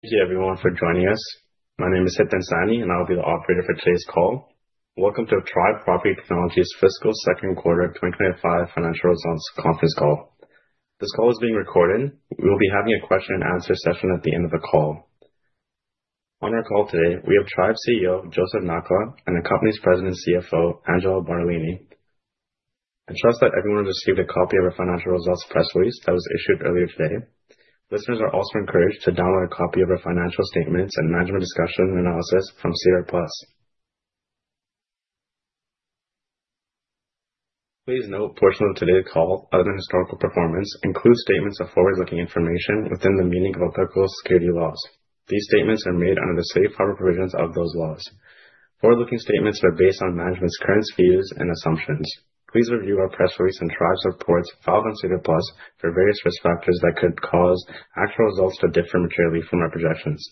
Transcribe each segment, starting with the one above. Thank you, everyone, for joining us. My name is Setan Sani, and I'll be the operator for today's call. Welcome to the Tribe Property Technologies Fiscal Second Quarter 2025 Financial Results Conference Call. This call is being recorded. We will be having a question-and-answer session at the end of the call. On our call today, we have Tribe CEO, Joseph Nakhla, and the Company's President and CFO, Angelo Bartolini. I trust that everyone has received a copy of our financial results press release that was issued earlier today. Listeners are also encouraged to download a copy of our financial statements and management discussion analysis from SEDAR+. Please note, a portion of today's call, other than historical performance, includes statements of forward-looking information within the meaning of applicable securities laws. These statements are made under the safe harbor provisions of those laws. Forward-looking statements are based on management's current views and assumptions. Please review our press release and Tribe's reports filed on SEDAR+ for various risk factors that could cause actual results to differ materially from our projections.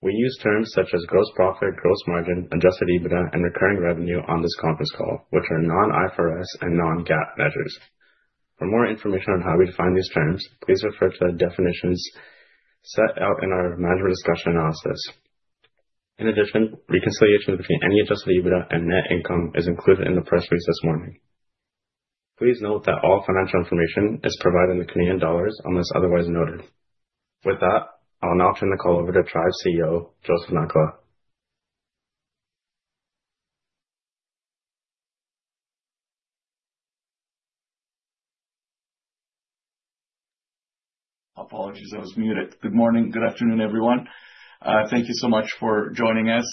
We use terms such as gross profit, gross margin, adjusted EBITDA, and recurring revenue on this conference call, which are non-IFRS and non-GAAP measures. For more information on how we define these terms, please refer to the definitions set out in our management discussion analysis. In addition, reconciliation between any adjusted EBITDA and net income is included in the press release this morning. Please note that all financial information is provided in Canadian dollars unless otherwise noted. With that, I'll now turn the call over to Tribe CEO, Joseph Nakhla. Apologies, I was muted. Good morning, good afternoon, everyone. Thank you so much for joining us.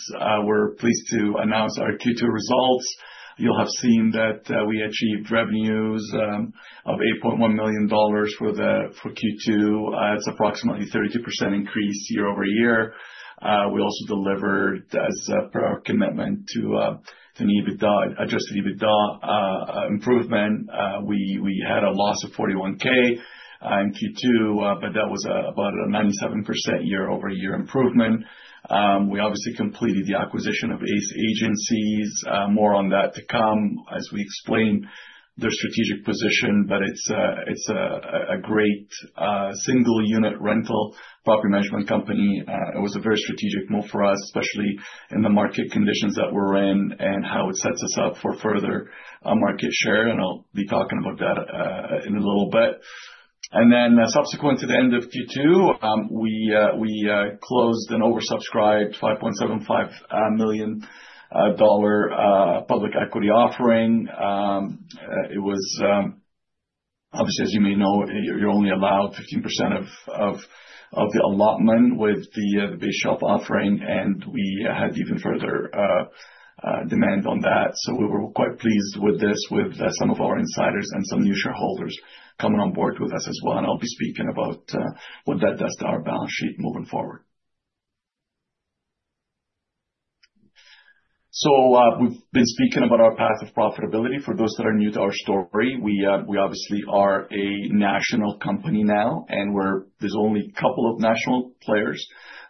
We're pleased to announce our Q2 results. You'll have seen that we achieved revenues of $8.1 million for Q2. It's approximately a 32% increase year-over-year. We also delivered, as per our commitment to an adjusted EBITDA improvement, we had a loss of $41,000 in Q2, but that was about a 97% year-over-year improvement. We obviously completed the acquisition of ACE Agencies. More on that to come, as we explain their strategic position, but it's a great single-unit rental property management company. It was a very strategic move for us, especially in the market conditions that we're in and how it sets us up for further market share, and I'll be talking about that in a little bit. Subsequent to the end of Q2, we closed an oversubscribed $5.75 million public equity offering. Obviously, as you may know, you're only allowed 15% of the allotment with the base shop offering, and we had even further demand on that. We were quite pleased with this, with some of our insiders and some new shareholders coming on board with us as well, and I'll be speaking about what that does to our balance sheet moving forward. We've been speaking about our path of profitability. For those that are new to our story, we obviously are a national company now, and there's only a couple of national players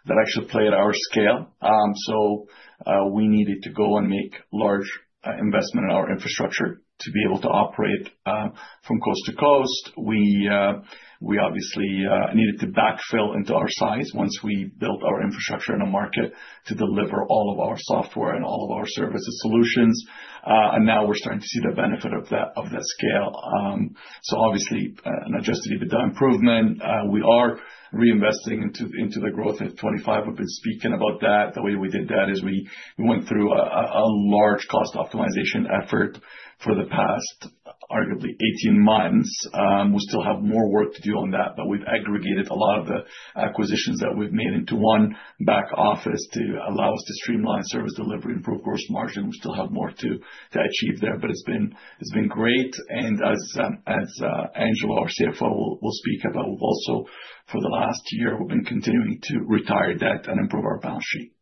that actually play at our scale. We needed to go and make a large investment in our infrastructure to be able to operate from coast to coast. We obviously needed to backfill into our size once we built our infrastructure in the market to deliver all of our software and all of our services solutions. Now we're starting to see the benefit of that scale. Obviously, an adjusted EBITDA improvement. We are reinvesting into the growth of 2025. We've been speaking about that. The way we did that is we went through a large cost optimization effort for the past, arguably, 18 months. We still have more work to do on that, but we've aggregated a lot of the acquisitions that we've made into one back office to allow us to streamline service delivery and forecourse margin. We still have more to achieve there, but it's been great. As Angelo, our CFO, will speak about, we've also, for the last year, we've been continuing to retire debt and improve our balance sheet.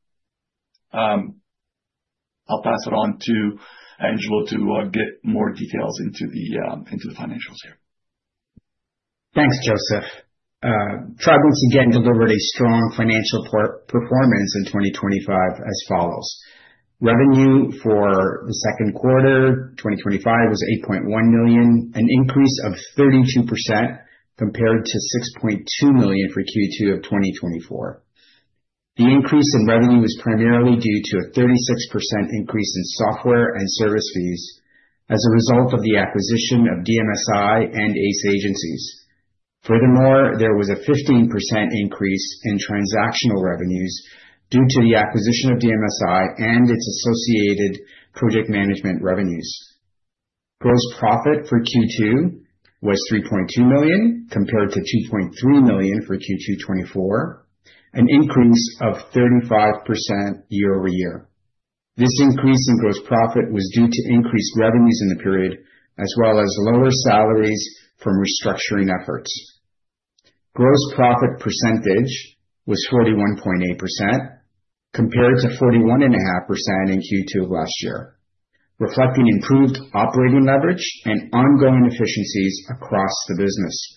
I'll pass it on to Angelo to get more details into the financials here. Thanks, Joseph. Tribe will suggest we delivered a strong financial performance in 2025 as follows. Revenue for the second quarter 2025 was $8.1 million, an increase of 32% compared to $6.2 million for Q2 of 2024. The increase in revenue was primarily due to a 36% increase in software and service fees as a result of the acquisition of DMSI and Ace Agencies. Furthermore, there was a 15% increase in transactional revenues due to the acquisition of DMSI and its associated project management revenues. Gross profit for Q2 was $3.2 million compared to $2.3 million for Q2 2024, an increase of 35% year-over-year. This increase in gross profit was due to increased revenues in the period, as well as lower salaries from restructuring efforts. Gross profit percentage was 41.8% compared to 41.5% in Q2 of last year, reflecting improved operating leverage and ongoing efficiencies across the business.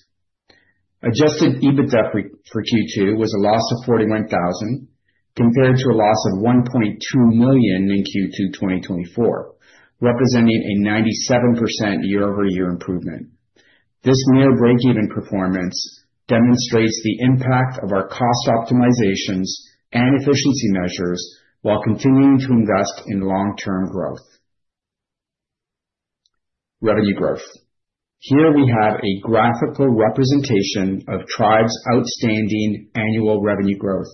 Adjusted EBITDA for Q2 was a loss of $41,000 compared to a loss of $1.2 million in Q2 2024, representing a 97% year-over-year improvement. This near breakeven performance demonstrates the impact of our cost optimizations and efficiency measures while continuing to invest in long-term growth. Revenue growth. Here we have a graphical representation of Tribe's outstanding annual revenue growth.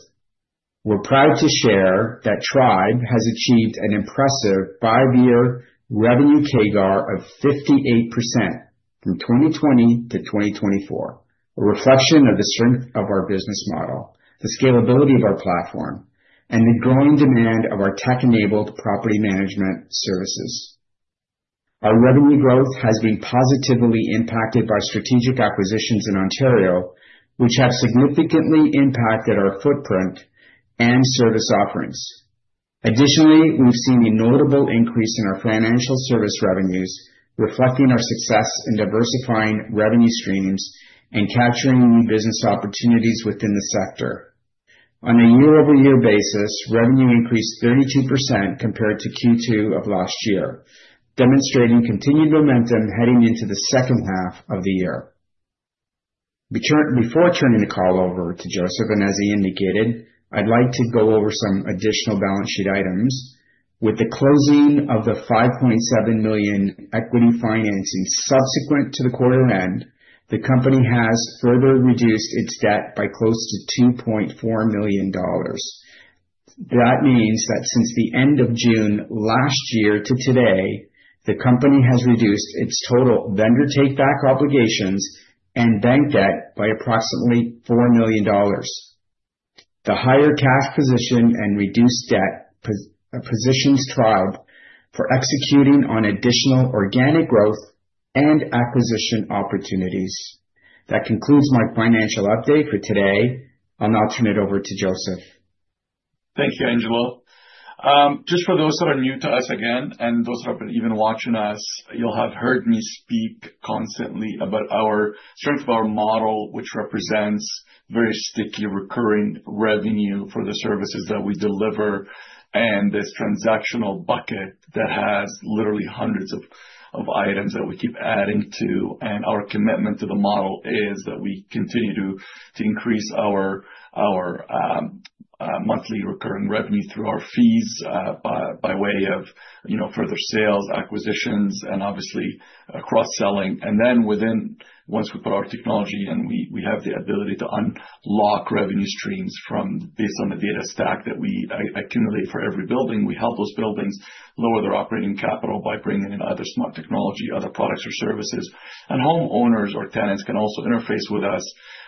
We're proud to share that Tribe has achieved an impressive five-year revenue CAGR of 58% from 2020 to 2024, a reflection of the strength of our business model, the scalability of our platform, and the growing demand of our tech-enabled property management services. Our revenue growth has been positively impacted by strategic acquisitions in Ontario, which have significantly impacted our footprint and service offerings. Additionally, we've seen a notable increase in our financial service revenues, reflecting our success in diversifying revenue streams and capturing business opportunities within the sector. On a year-over-year basis, revenue increased 32% compared to Q2 of last year, demonstrating continued momentum heading into the second half of the year. Before turning the call over to Joseph, and as he indicated, I'd like to go over some additional balance sheet items. With the closing of the $5.7 million equity financing subsequent to the quarter end, the company has further reduced its debt by close to $2.4 million. That means that since the end of June last year to today, the company has reduced its total vendor takeback obligations and bank debt by approximately $4 million. The higher cash position and reduced debt positions Tribe for executing on additional organic growth and acquisition opportunities. That concludes my financial update for today. I'll now turn it over to Joseph. Thank you, Angelo. Just for those that are new to us again, and those who have been even watching us, you'll have heard me speak constantly about our strength of our model, which represents very sticky recurring revenue for the services that we deliver and this transactional bucket that has literally hundreds of items that we keep adding to. Our commitment to the model is that we continue to increase our monthly recurring revenue through our fees by way of further sales, acquisitions, and obviously cross-selling. Once we put our technology in, we have the ability to unlock revenue streams based on the data stack that we accumulate for every building. We help those buildings lower their operating capital by bringing in other smart technology, other products or services. Homeowners or tenants can also interface with us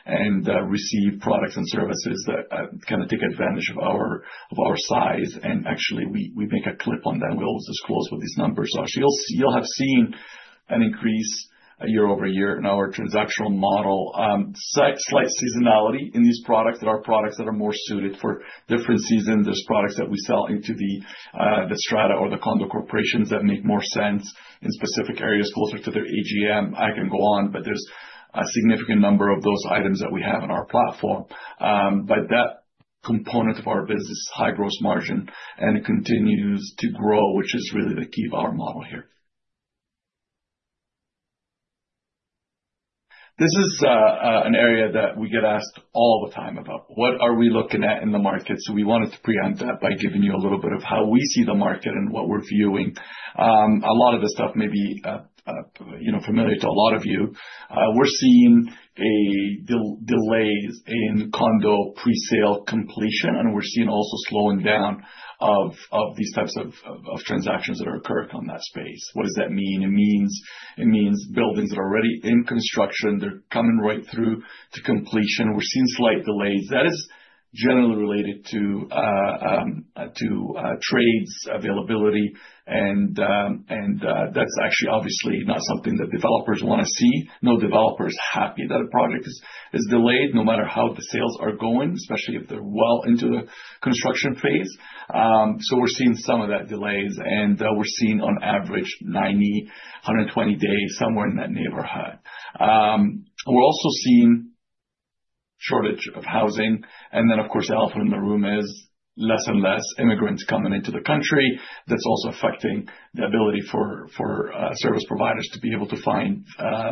and receive products and services that kind of take advantage of our size. Actually, we make a clip on that. We always disclose with these numbers. You'll have seen an increase year over year in our transactional model. There is slight seasonality in these products that are more suited for different seasons. There are products that we sell into the strata or the condo corporations that make more sense in specific areas closer to their AGM. I can go on, but there's a significant number of those items that we have in our platform. That component of our business is high gross margin and it continues to grow, which is really the key of our model here. This is an area that we get asked all the time about. What are we looking at in the market? We wanted to preempt that by giving you a little bit of how we see the market and what we're viewing. A lot of this stuff may be familiar to a lot of you. We're seeing delays in condo pre-sale completion, and we're seeing also slowing down of these types of transactions that are occurring in that space. What does that mean? It means buildings that are already in construction, they're coming right through to completion. We're seeing slight delays. That is generally related to trades availability, and that's obviously not something that developers want to see. No developer is happy that a project is delayed no matter how the sales are going, especially if they're well into the construction phase. We're seeing some of those delays, and we're seeing on average 90 days, 120 days, somewhere in that neighborhood. We're also seeing a shortage of housing, and then, of course, the elephant in the room is less and less immigrants coming into the country. That's also affecting the ability for service providers to be able to find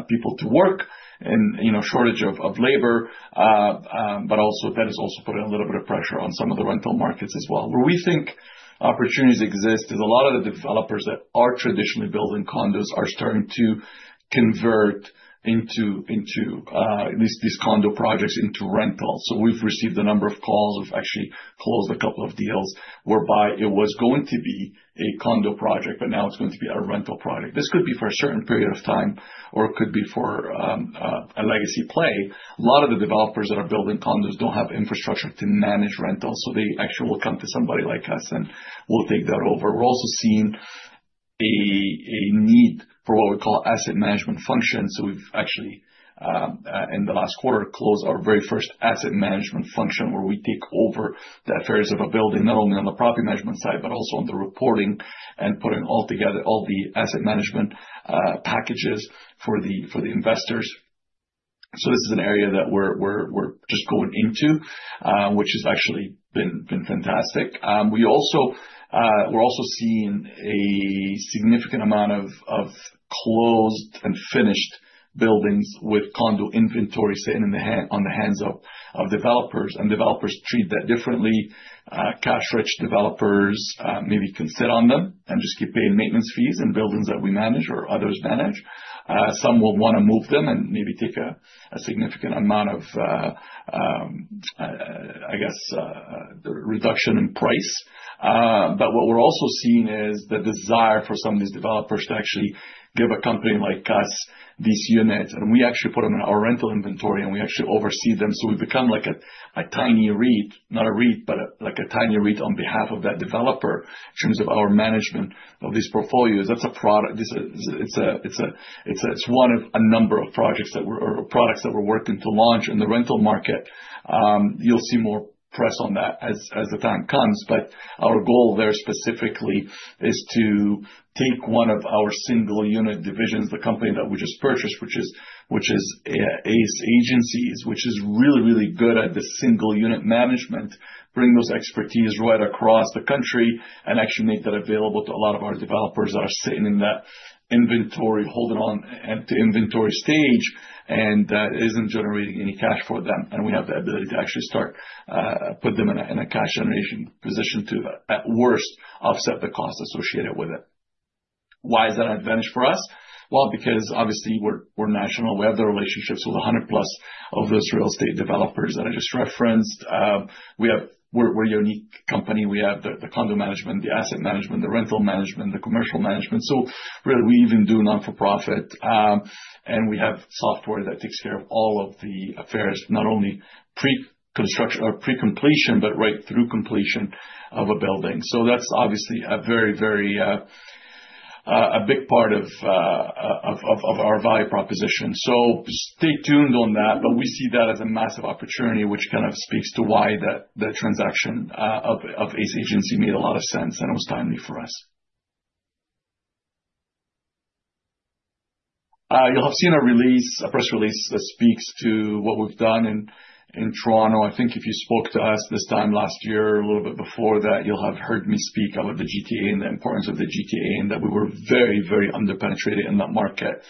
people to work and a shortage of labor. That is also putting a little bit of pressure on some of the rental markets as well. Where we think opportunities exist is a lot of the developers that are traditionally building condos are starting to convert these condo projects into rentals. We've received a number of calls. We've actually closed a couple of deals whereby it was going to be a condo project, but now it's going to be a rental project. This could be for a certain period of time or it could be for a legacy play. A lot of the developers that are building condos don't have infrastructure to manage rentals, so they actually will come to somebody like us and we'll take that over. We're also seeing a need for what we call asset management functions. We've actually, in the last quarter, closed our very first asset management function where we take over the affairs of a building, not only on the property management side, but also on the reporting and putting together all the asset management packages for the investors. This is an area that we're just going into, which has actually been fantastic. We're also seeing a significant amount of closed and finished buildings with condo inventory sitting on the hands of developers, and developers treat that differently. Cash-rich developers maybe can sit on them and just keep paying maintenance fees and buildings that we manage or others manage. Some will want to move them and maybe take a significant amount of, I guess, reduction in price. What we're also seeing is the desire for some of these developers to actually give a company like us these units, and we actually put them in our rental inventory and we actually oversee them. We become like a tiny REIT, not a REIT, but like a tiny REIT on behalf of that developer in terms of our management of these portfolios. That's a product. It's one of a number of products that we're working to launch in the rental market. You'll see more press on that as the time comes. Our goal very specifically is to take one of our single-unit divisions, the company that we just purchased, which is Ace Agencies, which is really, really good at the single-unit management, bring those expertise right across the country and actually make that available to a lot of our developers that are sitting in that inventory, holding on to inventory stage, and that isn't generating any cash for them. We have the ability to actually start putting them in a cash generation position to at worst offset the cost associated with it. Why is that an advantage for us? Obviously, we're national. We have the relationships with 100+ of those real estate developers that are just referenced. We're a unique company. We have the condo management, the asset management, the rental management, the commercial management. We even do not-for-profit, and we have software that takes care of all of the affairs, not only pre-construction or pre-completion, but right through completion of a building. That's obviously a very, very big part of our value proposition. Stay tuned on that. We see that as a massive opportunity, which kind of speaks to why that transaction of Ace Agencies made a lot of sense and it was timely for us. You'll have seen a release, a press release that speaks to what we've done in Toronto. If you spoke to us this time last year, a little bit before that, you'll have heard me speak about the GTA and the importance of the GTA and that we were very, very underpenetrated in that market.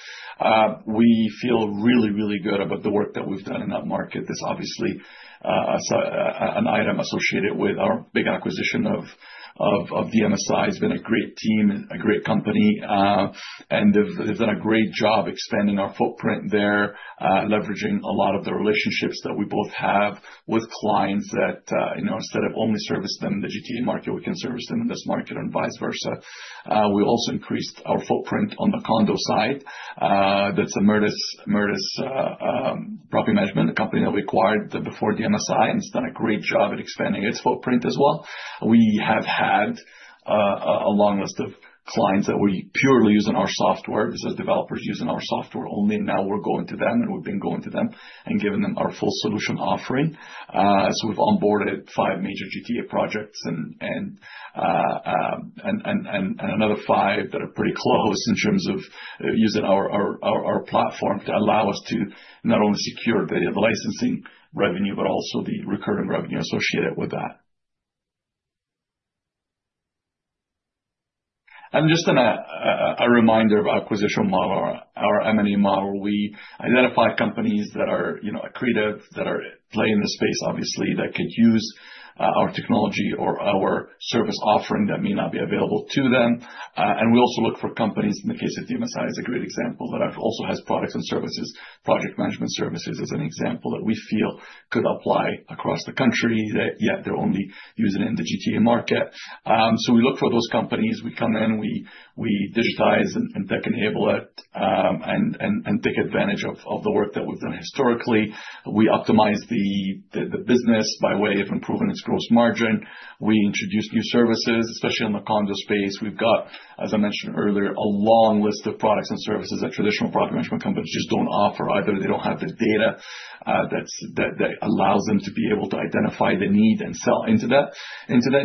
We feel really, really good about the work that we've done in that market. That's obviously an item associated with our big acquisition of DMSI. It's been a great team and a great company, and they've done a great job expanding our footprint there, leveraging a lot of the relationships that we both have with clients that instead of only servicing the GTA market, we can service them in this market and vice versa. We also increased our footprint on the condo side. That's Meritus Group Management, the company that we acquired before DMSI, and it's done a great job at expanding its footprint as well. We have had a long list of clients that we purely use in our software. These are developers using our software only. Now we're going to them, and we've been going to them and giving them our full solution offering. We have onboarded five major GTA projects and another five that are pretty close in terms of using our platform to allow us to not only secure the licensing revenue, but also the recurring revenue associated with that. Just as a reminder about the acquisition model, our M&A model, we identify companies that are accretive, that are playing in the space, obviously, that could use our technology or our service offering that may not be available to them. We also look for companies, in the case of DMSI is a great example, but it also has products and services, project management services as an example, that we feel could apply across the country that, yeah, they're only using in the GTA market. We look for those companies. We come in, we digitize and tech enable it and take advantage of the work that we've done historically. We optimize the business by way of improving its gross margin. We introduce new services, especially in the condo space. We've got, as I mentioned earlier, a long list of products and services that traditional property management companies just don't offer. Either they don't have the data that allows them to be able to identify the need and sell into that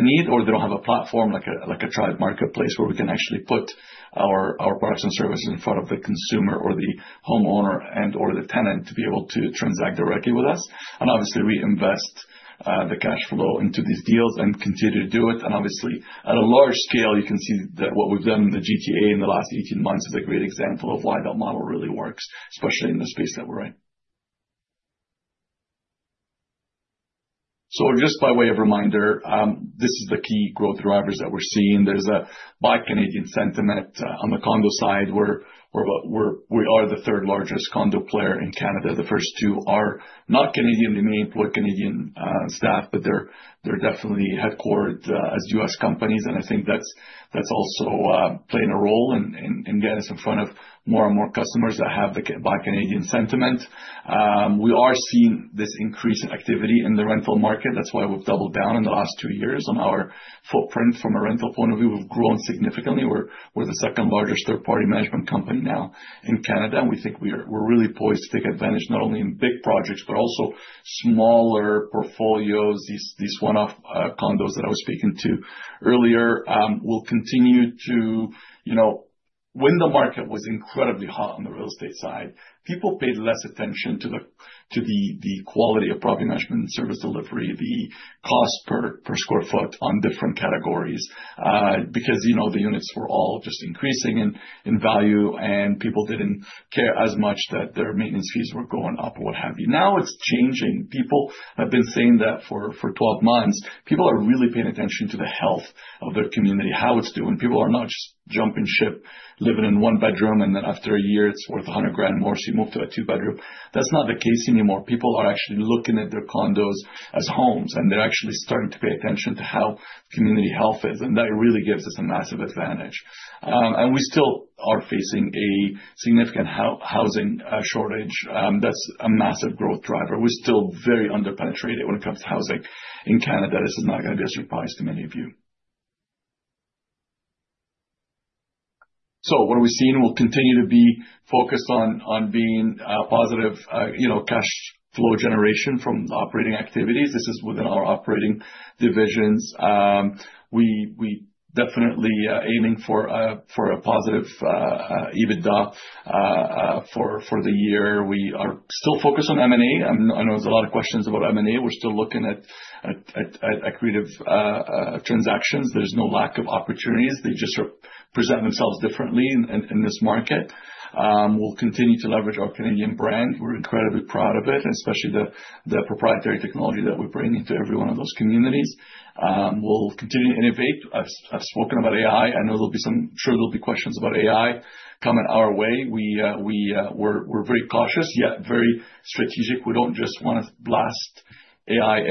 need, or they don't have a platform like a Tribe Marketplace where we can actually put our products and services in front of the consumer or the homeowner and/or the tenant to be able to transact directly with us. Obviously, we invest the cash flow into these deals and continue to do it. At a large scale, you can see that what we've done in the GTA in the last 18 months is a great example of why that model really works, especially in the space that we're in. Just by way of reminder, these are the key growth drivers that we're seeing. There's a Buy Canadian sentiment on the condo side. We are the third largest condo player in Canada. The first two are not Canadian. They may employ Canadian staff, but they're definitely headquartered as U.S. companies. I think that's also playing a role in getting us in front of more and more customers that have the Buy Canadian sentiment. We are seeing this increased activity in the rental market. That's why we've doubled down in the last two years on our footprint from a rental point of view. We've grown significantly. We're the second largest third-party management company now in Canada. We think we're really poised to take advantage not only in big projects, but also smaller portfolios, these one-off condos that I was speaking to earlier. We'll continue to, you know, when the market was incredibly hot on the real estate side, people paid less attention to the quality of property management and service delivery, the cost per square foot on different categories because, you know, the units were all just increasing in value and people didn't care as much that their maintenance fees were going up or what have you. Now it's changing. People have been saying that for 12 months. People are really paying attention to the health of their community, how it's doing. People are not just jumping ship, living in one bedroom, and then after a year, it's worth $100,000 more, so you move to a two-bedroom. That's not the case anymore. People are actually looking at their condos as homes, and they're actually starting to pay attention to how community health is, and that really gives us a massive advantage. We still are facing a significant housing shortage. That's a massive growth driver. We're still very underpenetrated when it comes to housing in Canada. This is not going to be a surprise to many of you. What are we seeing? We'll continue to be focused on being a positive, you know, cash flow generation from operating activities. This is within our operating divisions. We're definitely aiming for a positive EBITDA for the year. We are still focused on M&A. I know there's a lot of questions about M&A. We're still looking at creative transactions. There's no lack of opportunities. They just present themselves differently in this market. We'll continue to leverage our Canadian brand. We're incredibly proud of it, and especially the proprietary technology that we're bringing to every one of those communities. We'll continue to innovate. I've spoken about AI. I know there'll be some, I'm sure there'll be questions about AI coming our way. We're very cautious, yet very strategic. We don't just want to blast AI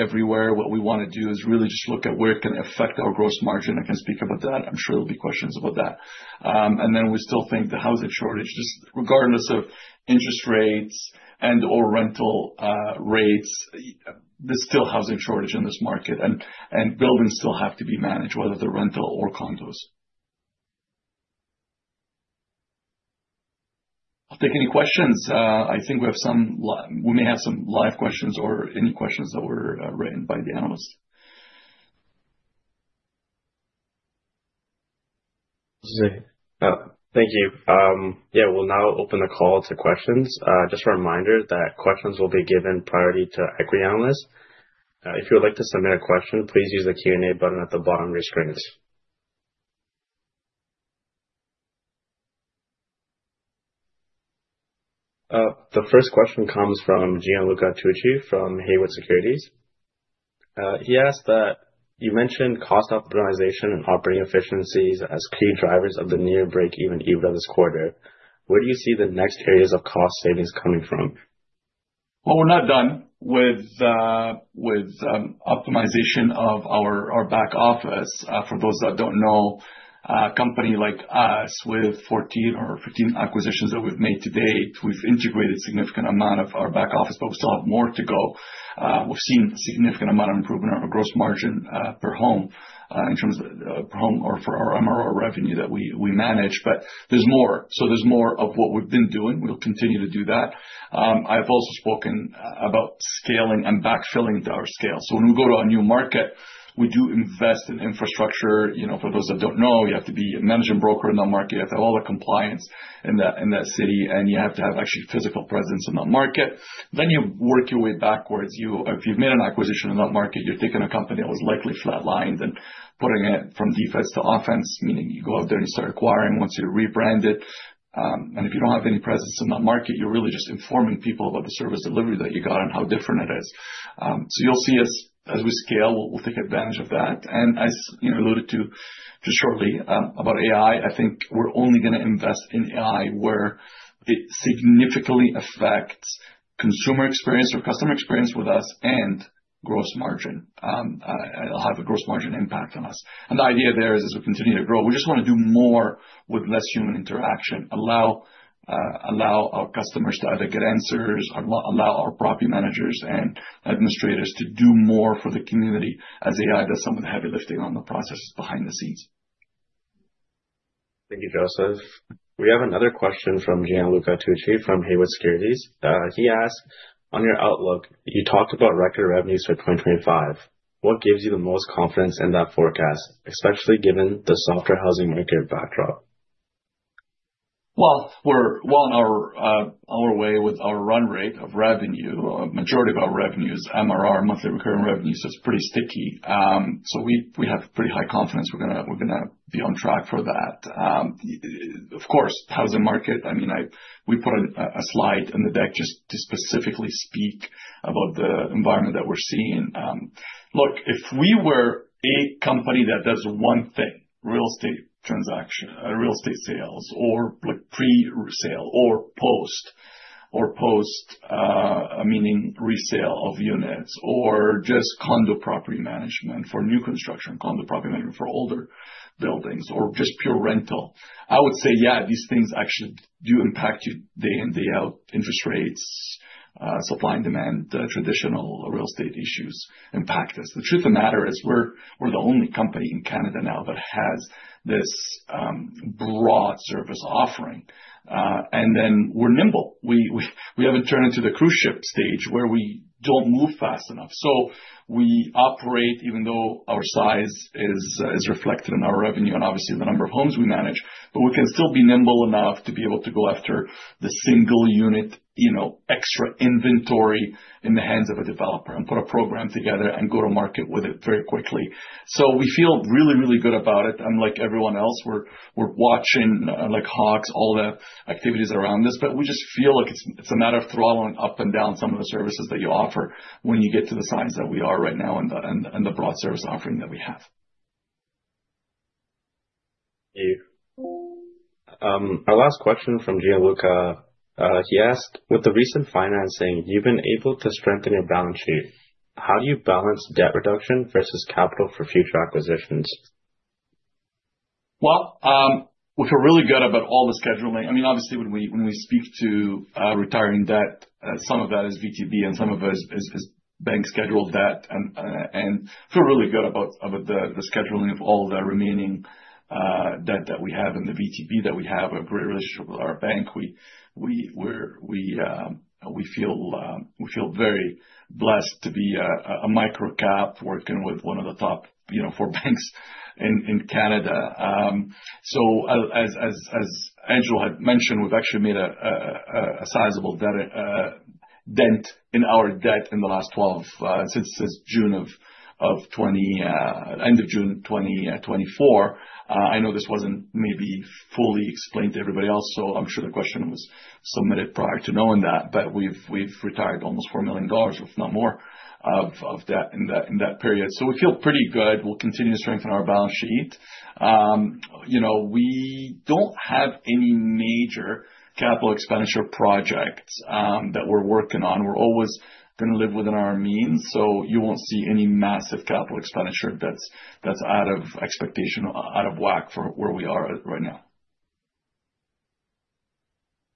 everywhere. What we want to do is really just look at where it can affect our gross margin. I can speak about that. I'm sure there'll be questions about that. We still think the housing shortage, regardless of interest rates and/or rental rates, there's still a housing shortage in this market, and buildings still have to be managed, whether they're rental or condos. I'll take any questions. I think we have some, we may have some live questions or any questions that were written by the analysts. Thank you. Yeah, we'll now open the call to questions. Just a reminder that questions will be given priority to equity analysts. If you would like to submit a question, please use the Q&A button at the bottom of your screens. The first question comes from Gianluca Tucci from Haywood Securities. He asked that you mentioned cost optimization and operating efficiencies as key drivers of the near break-even EBITDA this quarter. Where do you see the next areas of cost savings coming from? We're not done with optimization of our back office. For those that don't know, a company like us with 14 or 15 acquisitions that we've made to date, we've integrated a significant amount of our back office, but we still have more to go. We've seen a significant amount of improvement in our gross margin per home in terms of per home or for our MRR revenue that we manage, but there's more. There's more of what we've been doing. We'll continue to do that. I've also spoken about scaling and backfilling to our scale. When we go to a new market, we do invest in infrastructure. You know, for those that don't know, you have to be a managing broker in that market. You have to have all the compliance in that city, and you have to have actually physical presence in that market. You work your way backwards. If you've made an acquisition in that market, you're taking a company that was likely flatlined and putting it from defense to offense, meaning you go out there and you start acquiring once you rebrand it. If you don't have any presence in that market, you're really just informing people about the service delivery that you got and how different it is. You'll see us, as we scale, we'll take advantage of that. As you alluded to shortly about AI, I think we're only going to invest in AI where it significantly affects consumer experience or customer experience with us and gross margin. It'll have a gross margin impact on us. The idea there is as we continue to grow, we just want to do more with less human interaction, allow our customers to either get answers, allow our property managers and administrators to do more for the community as AI does some of the heavy lifting on the process behind the scenes. Thank you, Joseph. We have another question from Gianluca Tucci from Haywood Securities. He asked, on your outlook, you talked about record revenues for 2025. What gives you the most confidence in that forecast, especially given the softer housing market backdrop? We're well on our way with our run rate of revenue. A majority of our revenue is MRR, monthly recurring revenues. That's pretty sticky. We have pretty high confidence we're going to be on track for that. Of course, the housing market, I mean, we put a slide on the deck just to specifically speak about the environment that we're seeing. Look, if we were a company that does one thing, real estate transaction, real estate sales, or pre-sale or post, or post, meaning resale of units, or just condo property management for new construction, condo property management for older buildings, or just pure rental, I would say, yeah, these things actually do impact you day in, day out. Interest rates, supply and demand, traditional real estate issues impact us. The truth of the matter is we're the only company in Canada now that has this broad service offering. We're nimble. We haven't turned into the cruise ship stage where we don't move fast enough. We operate, even though our size is reflected in our revenue and obviously the number of homes we manage, but we can still be nimble enough to be able to go after the single unit, you know, extra inventory in the hands of a developer and put a program together and go to market with it very quickly. We feel really, really good about it. Unlike everyone else, we're watching like hawks all the activities around this, but we just feel like it's a matter of throttling up and down some of the services that you offer when you get to the size that we are right now and the broad service offering that we have. Our last question from Gianluca, he asked, with the recent financing, have you been able to strengthen your balance sheet? How do you balance debt reduction versus capital for future acquisitions? We feel really good about all the scheduling. Obviously, when we speak to retiring debt, some of that is VTB and some of it is bank scheduled debt. I feel really good about the scheduling of all the remaining debt that we have in the VTB that we have, a great relationship with our bank. We feel very blessed to be a microcap working with one of the top four banks in Canada. As Angelo had mentioned, we've actually made a sizable dent in our debt in the last 12 since June of 2024, end of June 2024. I know this wasn't maybe fully explained to everybody else, so I'm sure the question was submitted prior to knowing that, but we've retired almost $4 million, if not more, of debt in that period. We feel pretty good. We'll continue to strengthen our balance sheet. We don't have any major capital expenditure projects that we're working on. We're always going to live within our means, so you won't see any massive capital expenditure that's out of expectation, out of whack for where we are right now.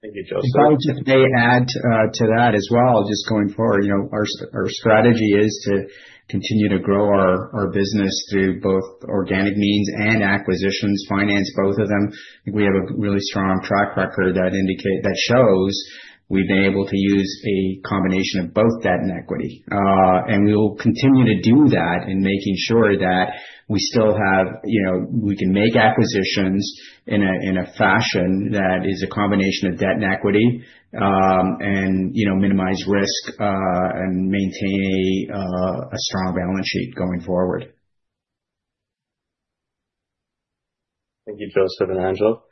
Thank you, Joseph. I would just add to that as well, just going forward, our strategy is to continue to grow our business through both organic means and acquisitions, finance both of them. I think we have a really strong track record that shows we've been able to use a combination of both debt and equity. We will continue to do that in making sure that we still have, we can make acquisitions in a fashion that is a combination of debt and equity and minimize risk and maintain a strong balance sheet going forward. Thank you, Joseph and Angelo.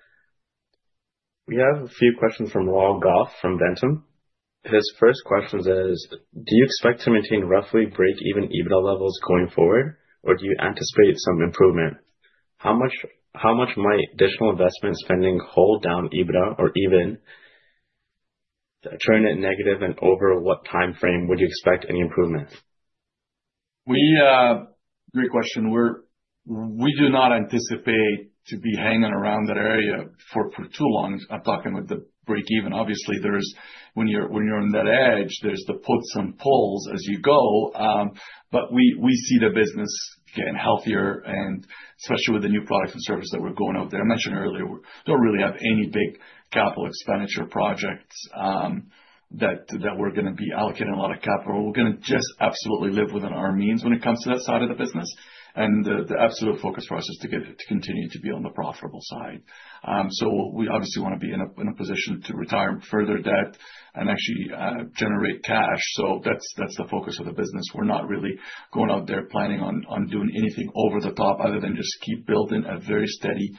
We have a few questions from Rob Goff from Ventum. His first question is, do you expect to maintain roughly break-even EBITDA levels going forward, or do you anticipate some improvement? How much might additional investment spending hold down EBITDA or even turn it negative, and over what timeframe would you expect any improvements? Great question. We do not anticipate to be hanging around that area for too long. I'm talking about the break-even. Obviously, when you're on that edge, there's the puts and pulls as you go. We see the business getting healthier, especially with the new products and services that we're going out there. I mentioned earlier, we don't really have any big capital expenditure projects that we're going to be allocating a lot of capital. We're going to just absolutely live within our means when it comes to that side of the business. The absolute focus for us is to continue to be on the profitable side. We obviously want to be in a position to retire further debt and actually generate cash. That's the focus of the business. We're not really going out there planning on doing anything over the top other than just keep building a very steady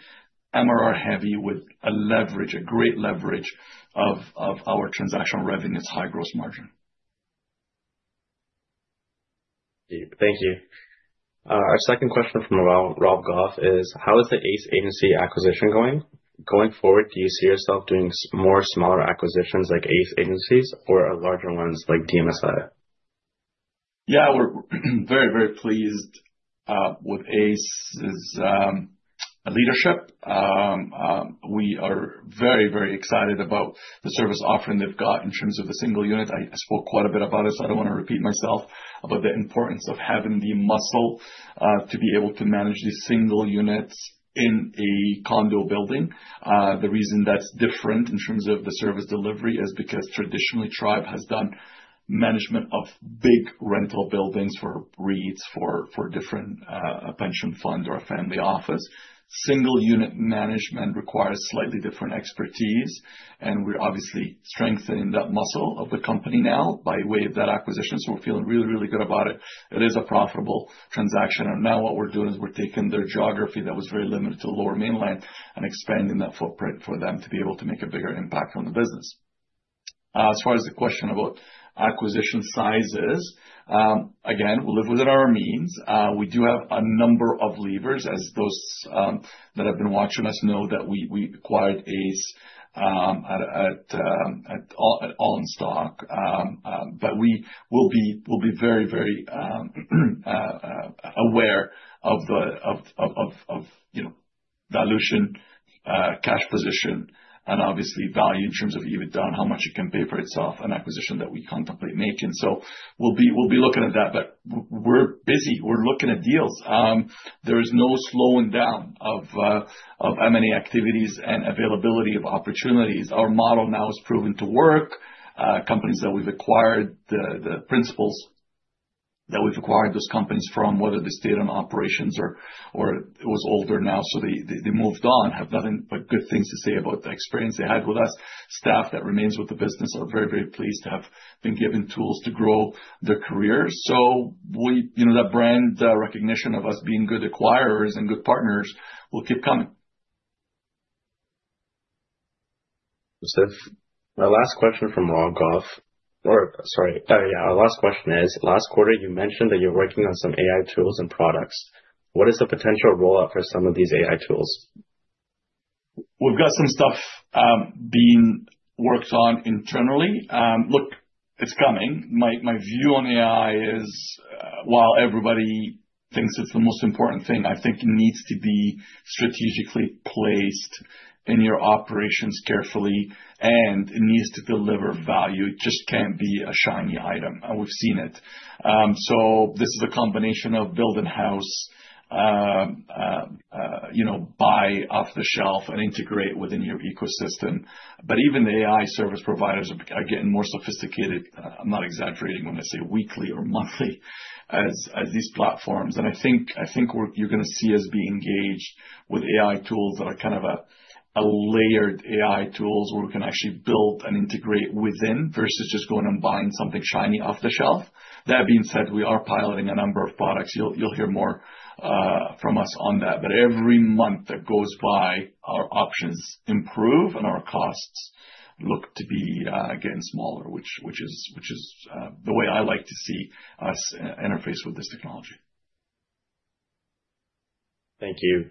MRR heavy with a great leverage of our transactional revenue's high gross margin. Thank you. Our second question from Rob Goff is, how is the Ace Agencies acquisition going? Going forward, do you see yourself doing more smaller acquisitions like Ace Agencies or larger ones like DMSI? Yeah, we're very, very pleased with Ace Agencies' leadership. We are very, very excited about the service offering they've got in terms of the single unit. I spoke quite a bit about it, so I don't want to repeat myself about the importance of having the muscle to be able to manage these single units in a condo building. The reason that's different in terms of the service delivery is because traditionally Tribe has done management of big rental buildings for REITs, for different pension funds or a family office. Single unit management requires slightly different expertise, and we're obviously strengthening that muscle of the company now by way of that acquisition. We're feeling really, really good about it. It is a profitable transaction. Now what we're doing is we're taking their geography that was very limited to the lower mainland and expanding that footprint for them to be able to make a bigger impact on the business. As far as the question about acquisition sizes, again, we'll live within our means. We do have a number of levers, as those that have been watching us know that we acquired Ace Agencies at Allen Stock. We will be very, very aware of the dilution, cash position, and obviously value in terms of EBITDA and how much it can pay for itself, an acquisition that we can't completely make in. We'll be looking at that. We're busy. We're looking at deals. There is no slowing down of M&A activities and availability of opportunities. Our model now has proven to work. Companies that we've acquired, the principals that we've acquired those companies from, whether they stayed in operations or it was over now so they moved on, have nothing but good things to say about the experience they had with us. Staff that remains with the business are very, very pleased to have been given tools to grow their careers. That brand recognition of us being good acquirers and good partners will keep coming. Our last question is, last quarter you mentioned that you're working on some AI tools and products. What is the potential rollout for some of these AI tools? We've got some stuff being worked on internally. Look, it's coming. My view on AI is, while everybody thinks it's the most important thing, I think it needs to be strategically placed in your operations carefully, and it needs to deliver value. It just can't be a shiny item. We've seen it. This is a combination of building in-house, you know, buy off the shelf and integrate within your ecosystem. Even the AI service providers are getting more sophisticated. I'm not exaggerating when I say weekly or monthly as these platforms. I think what you're going to see is being engaged with AI tools that are kind of layered AI tools where we can actually build and integrate within versus just going and buying something shiny off the shelf. That being said, we are piloting a number of products. You'll hear more from us on that. Every month that goes by, our options improve and our costs look to be, again, smaller, which is the way I like to see us interface with this technology. Thank you.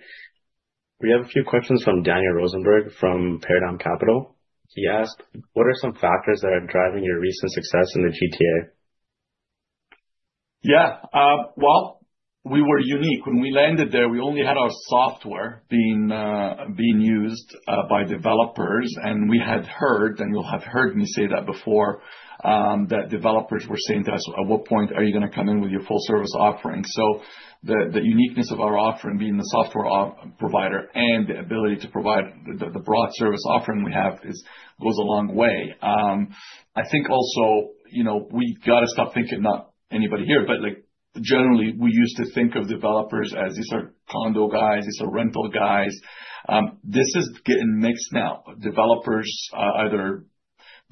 We have a few questions from Daniel Rosenberg from Paradigm Capital. He asked, what are some factors that are driving your recent success in the GTA? Yeah, we were unique. When we landed there, we only had our software being used by developers. You'll have heard me say that before, that developers were saying to us, at what point are you going to come in with your full service offering? The uniqueness of our offering, being the software provider and the ability to provide the broad service offering we have, goes a long way. I think also, you know, we got to stop thinking, not anybody here, but generally, we used to think of developers as these are condo guys, these are rental guys. This is getting mixed now. Developers, either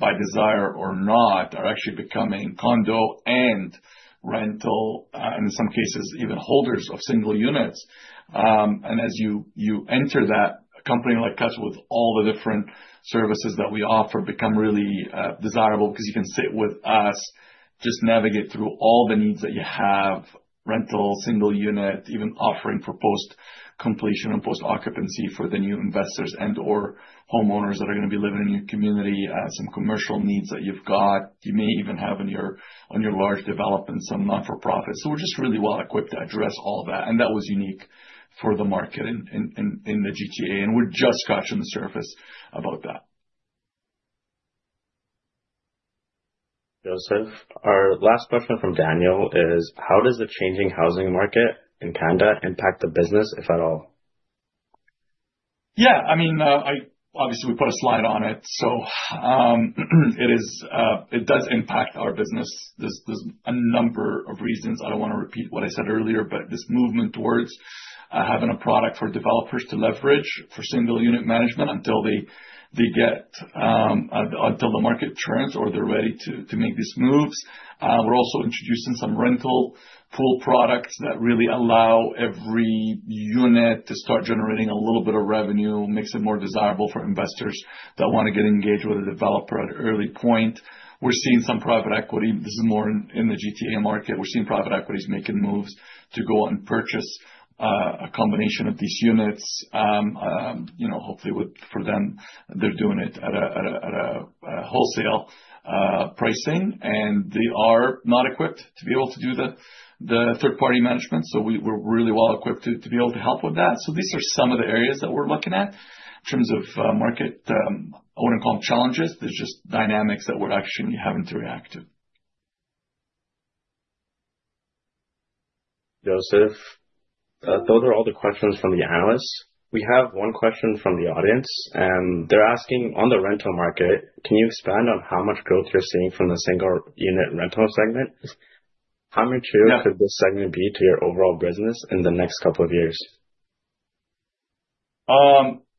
by desire or not, are actually becoming condo and rental, and in some cases, even holders of single units. As you enter that, a company like us with all the different services that we offer becomes really desirable because you can sit with us, just navigate through all the needs that you have, rental, single unit, even offering for post-completion and post-occupancy for the new investors and/or homeowners that are going to be living in your community, some commercial needs that you've got. You may even have in your large developments some not-for-profits. We're just really well equipped to address all that. That was unique for the market and in the Greater Toronto Area. We're just scratching the surface about that. Joseph, our last question from Daniel is, how does the changing housing market in Canada impact the business, if at all? Yeah, I mean, obviously we put a slide on it. It does impact our business. There's a number of reasons. I don't want to repeat what I said earlier, but this movement towards having a product for developers to leverage for single unit management until they get until the market turns or they're ready to make these moves. We're also introducing some rental pool products that really allow every unit to start generating a little bit of revenue, makes it more desirable for investors that want to get engaged with a developer at an early point. We're seeing some private equity. This is more in the GTA market. We're seeing private equities making moves to go out and purchase a combination of these units. Hopefully for them, they're doing it at a wholesale pricing, and they are not equipped to be able to do the third-party management. We're really well equipped to be able to help with that. These are some of the areas that we're looking at in terms of market. I wouldn't call them challenges. There's just dynamics that we're actually having to react to. Joseph, those are all the questions from the analysts. We have one question from the audience. They're asking, on the rental market, can you expand on how much growth you're seeing from the single-unit rental segment? How mature could this segment be to your overall business in the next couple of years?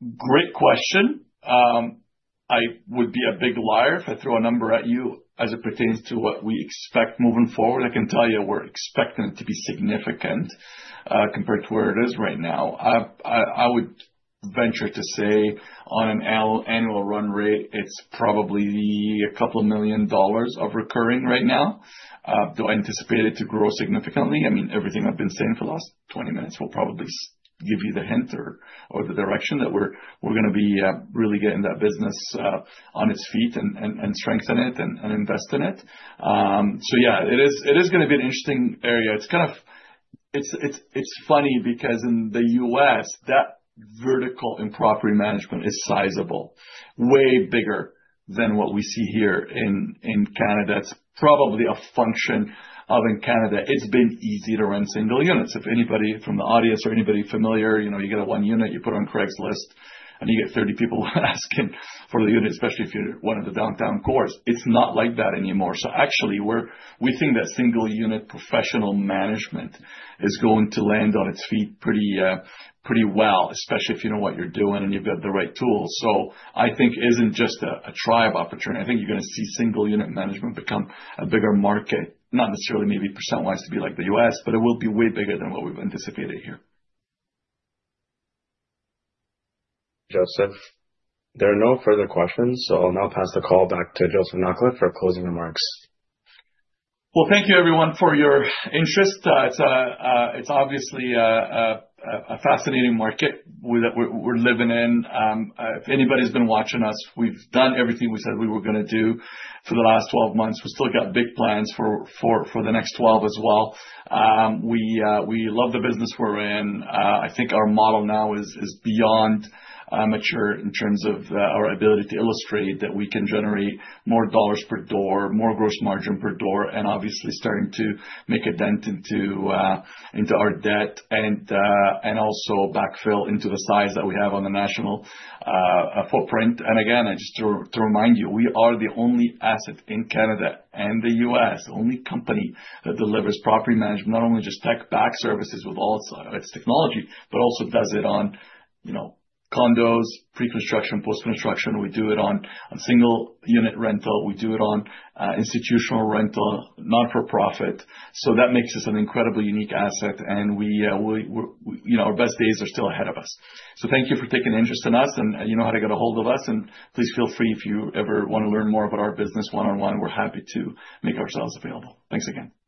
Great question. I would be a big liar if I threw a number at you as it pertains to what we expect moving forward. I can tell you we're expecting it to be significant compared to where it is right now. I would venture to say on an annual run rate, it's probably a couple of million dollars of recurring right now. I don't anticipate it to grow significantly. Everything I've been saying for the last 20 minutes will probably give you the hint or the direction that we're going to be really getting that business on its feet and strengthen it and invest in it. It is going to be an interesting area. It's kind of funny because in the U.S., that vertical in property management is sizable, way bigger than what we see here in Canada. It's probably a function of in Canada, it's been easy to run single units. If anybody from the audience or anybody familiar, you know, you get a one unit, you put it on Craigslist and you get 30 people asking for the unit, especially if you're one of the downtown cores. It's not like that anymore. We think that single-unit professional management is going to land on its feet pretty well, especially if you know what you're doing and you've got the right tools. I think it isn't just a Tribe opportunity. I think you're going to see single unit management become a bigger market, not necessarily maybe percent-wise to be like the U.S., but it will be way bigger than what we've anticipated here. Joseph, there are no further questions, so I'll now pass the call back to Joseph Nakhla for closing remarks. Thank you everyone for your interest. It's obviously a fascinating market we're living in. If anybody's been watching us, we've done everything we said we were going to do for the last 12 months. We've still got big plans for the next 12 as well. We love the business we're in. I think our model now is beyond mature in terms of our ability to illustrate that we can generate more dollars per door, more gross margin per door, and obviously starting to make a dent into our debt and also backfill into the size that we have on the national footprint. Again, just to remind you, we are the only asset in Canada and the U.S., the only company that delivers property management, not only just tech-backed services with all its technology, but also does it on condos, pre-construction, post-construction. We do it on single-unit rental. We do it on institutional rental, not-for-profit. That makes us an incredibly unique asset. Our best days are still ahead of us. Thank you for taking interest in us and you know how to get a hold of us. Please feel free if you ever want to learn more about our business one-on-one. We're happy to make ourselves available. Thanks again. Thank you.